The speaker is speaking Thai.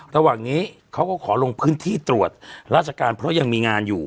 ระหว่างนี้เขาก็ขอลงพื้นที่ตรวจราชการเพราะยังมีงานอยู่